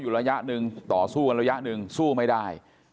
ดูซั้นถึงห่างไหลท์